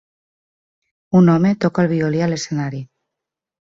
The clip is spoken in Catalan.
Un home toca el violí a l'escenari.